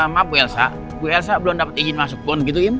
maaf bu elsa bu elsa belum dapat izin masuk bon gitu im